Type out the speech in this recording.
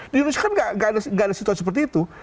di indonesia kan nggak ada situasi seperti itu